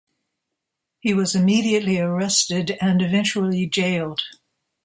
He was immediately arrested and eventually jailed.